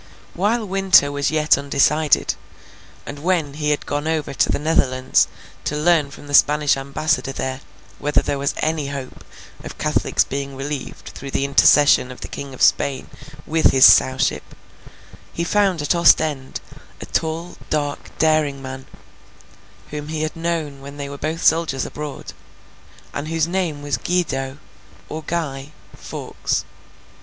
While Winter was yet undecided, and when he had gone over to the Netherlands, to learn from the Spanish Ambassador there whether there was any hope of Catholics being relieved through the intercession of the King of Spain with his Sowship, he found at Ostend a tall, dark, daring man, whom he had known when they were both soldiers abroad, and whose name was Guido—or Guy—Fawkes.